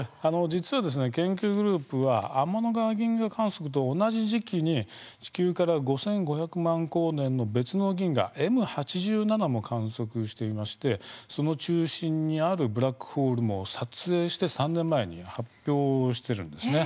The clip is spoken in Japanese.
実は研究グループは天の川銀河観測と同じ時期に地球から５５００万光年の別の銀河、Ｍ８７も観測していましてその中心にあるブラックホールも撮影して３年前に発表をしているんです。